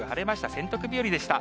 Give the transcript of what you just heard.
洗濯日和でした。